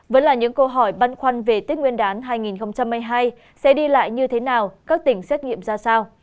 vẫn là những câu hỏi băn khoăn về tết nguyên đán hai nghìn hai mươi hai sẽ đi lại như thế nào các tỉnh xét nghiệm ra sao